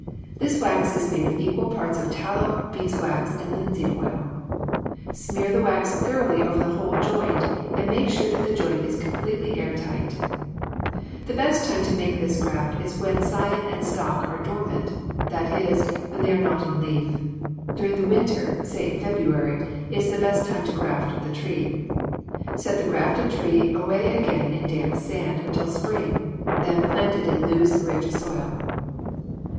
This wax is made of equal parts of tallow, beeswax, and linseed oil. Smear the wax thoroughly over the whole joint, and make sure that the joint is completely air tight. [Illustration: FIG. 66. To make a root graft, cut along the slanting line] The best time to make this graft is when scion and stock are dormant, that is, when they are not in leaf. During the winter, say in February, is the best time to graft the tree. Set the grafted tree away again in damp sand until spring, then plant it in loose, rich soil.